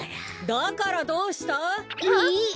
だからどうした？あっ！え？